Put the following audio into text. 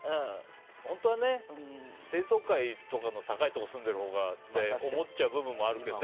本当は低層階の高いところとか住んでいるほうがって思っちゃう部分もあるけど。